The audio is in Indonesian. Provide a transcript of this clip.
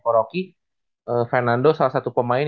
ko rocky fernando salah satu pemain